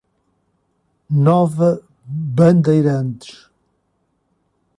Nova Bandeirantes